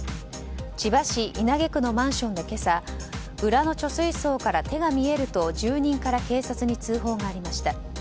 千葉市稲毛区のマンションで今朝裏の貯水槽から手が見えると住民から警察に通報がありました。